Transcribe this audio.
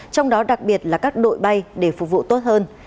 trong đó đặc biệt là các đội bay để phục vụ tốt hơn